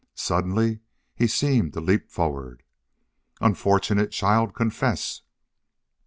Suddenly he seemed to leap forward. "Unfortunate child! Confess."